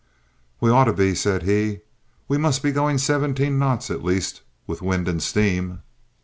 "We ought to be," said he. "We must be going seventeen knots at the least with wind and steam."